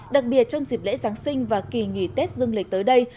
đặc biệt trong dịp lễ giáng sinh và kỳ nghỉ tết dương lịch tới đây